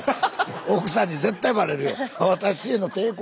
奥さんに絶対バレるよ。